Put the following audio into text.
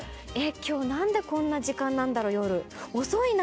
「今日何でこんな時間なんだろう夜遅いな！」